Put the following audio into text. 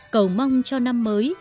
cầu mong cho năm mới